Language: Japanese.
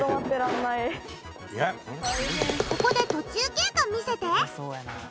ここで途中経過見せて。